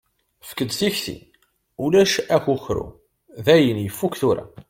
Efk-d tiktik, ulac akukru dayen yeffuk tura.